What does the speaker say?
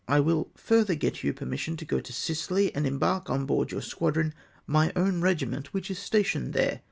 I will further get you permission to go to Sicily, and embark on board your squadron my own regiment, wdiich is stationed there.